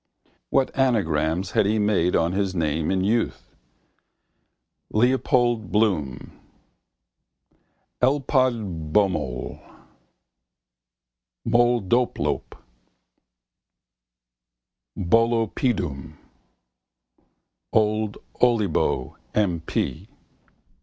What anagrams had he made on his name in youth? Leopold Bloom Ellpodbomool Molldopeloob Bollopedoom Old Ollebo, M. P.